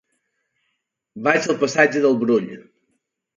Vaig al passatge del Brull.